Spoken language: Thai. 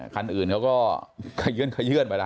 คันอื่นเขาก็ขยื่นไปแล้ว